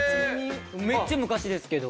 めっちゃ昔ですけど。